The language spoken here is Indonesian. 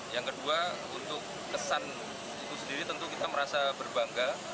yang kedua untuk kesan itu sendiri tentu kita merasa berbangga